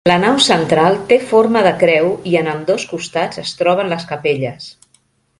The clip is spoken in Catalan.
La nau central té forma de creu i en ambdós costats es troben les capelles.